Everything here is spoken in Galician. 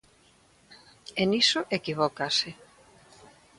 E niso equivócase.